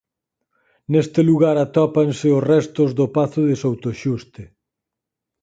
Neste lugar atópanse os restos do pazo de Soutoxuste.